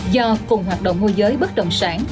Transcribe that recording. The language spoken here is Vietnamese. do cùng hoạt động ngôi giới bất động sản